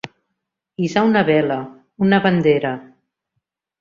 Hissar una vela, una bandera.